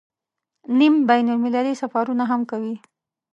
نیم بین المللي سفرونه هم کوي.